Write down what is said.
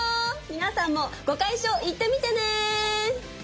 皆さんも碁会所行ってみてね！